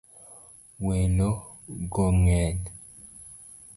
Welo go ngeny.